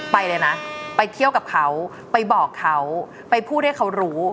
ไปเลยนะไปเที่ยวกับเขาไปบอกเขาไปพูดให้เขารู้